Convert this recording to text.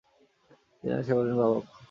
তিনি আসিয়া বলিলেন, বাবা অক্ষয়!